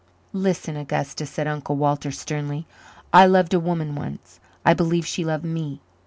"Listen, Augusta," said Uncle Walter sternly. "I loved a woman once. I believed she loved me.